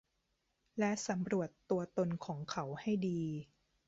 และสำรวจตัวตนของเขาให้ดี